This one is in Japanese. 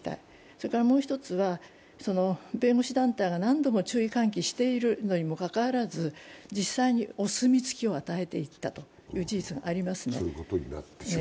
それからもう１つは、弁護士団体が何度も注意喚起しているにもかかわらず実際にお墨付きを与えていった事実がありますね。